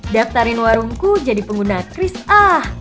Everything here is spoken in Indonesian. daftarin warungku jadi pengguna cris ah